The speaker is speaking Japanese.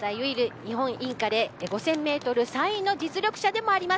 日本インカレ５０００メートル３位の実力者でもあります。